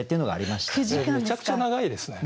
めちゃくちゃ長いですね。